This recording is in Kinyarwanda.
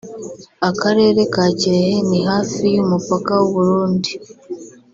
akarere ka Kirehe ni hafi y’umupaka w’u Burundi